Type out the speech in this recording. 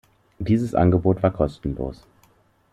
Dieses Angebot war kostenlos.